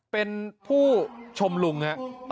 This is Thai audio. เป็นผู้ชมลุง